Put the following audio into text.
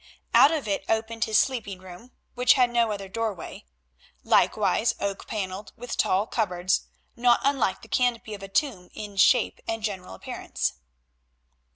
Out of it opened his sleeping room—which had no other doorway—likewise oak panelled, with tall cupboards, not unlike the canopy of a tomb in shape and general appearance.